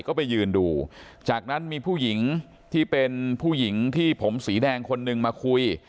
ก็ไปยืนดูจากนั้นมีผู้หญิงที่เป็นผู้หญิงที่ผมสีแดงคนนึงมาคุย